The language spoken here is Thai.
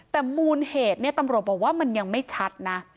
แต่มูลเหตุเนี่ยตำรวจบอกว่ามันยังไม่ชัดนะ